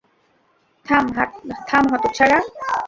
থাম, হতচ্ছাড়া।